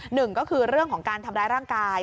หนึ่งก็คือเรื่องของการทำร้ายร่างกาย